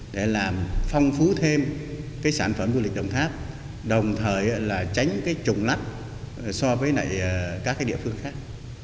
để làm phong phú thêm sản phẩm du lịch đồng tháp đồng thời tránh trùng lắp so với các địa phương khác